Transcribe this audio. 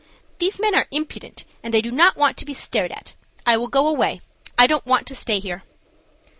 These men are impudent, and I do not want to be stared at. I will go away. I don't want to stay here."